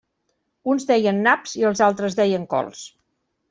Uns deien naps i els altres deien cols.